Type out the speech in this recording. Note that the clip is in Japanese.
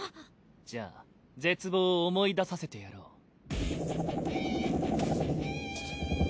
じゃ絶望を思い出させてやろう。